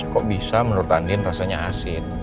kok bisa menurut andin rasanya asin